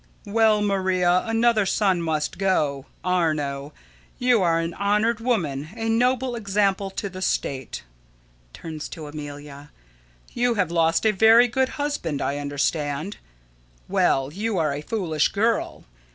_] Well, Maria, another son must go Arno. You are an honored woman, a noble example to the state. [Turns to Amelia.] You have lost a very good husband, I understand. Well, you are a foolish girl.